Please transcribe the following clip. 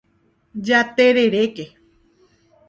Jatereréke.